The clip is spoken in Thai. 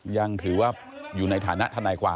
ยังถือว่าอยู่ในฐานะทนายความ